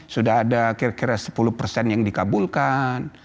sudah ada kira kira sepuluh persen yang dikabulkan